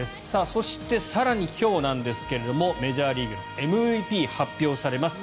そして、更に今日なんですがメジャーリーグのＭＶＰが発表されます。